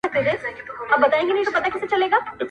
او که نه وي نو حتما به کیمیاګر یې-